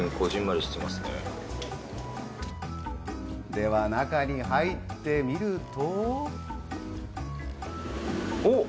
では、中に入ってみると。